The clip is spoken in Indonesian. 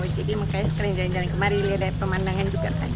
jadi makanya sekalian jalan jalan kemari lihat dari pemandangan juga kan